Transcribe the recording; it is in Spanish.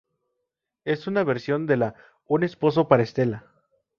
Es una versión de la "Un esposo para Estela".